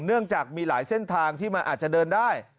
เนื่องจากมีหลายเส้นทางที่มันอาจจะเดินได้